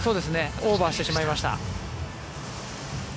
オーバーしてしまいました。